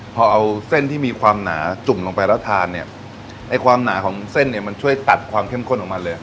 พอเอาเส้นที่มีความหนาจุ่มลงไปแล้วทานเนี่ยไอ้ความหนาของเส้นเนี่ยมันช่วยตัดความเข้มข้นของมันเลย